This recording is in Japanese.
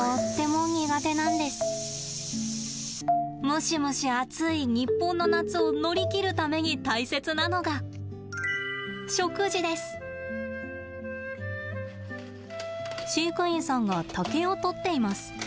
ムシムシ暑い日本の夏を乗り切るために大切なのが飼育員さんが竹をとっています。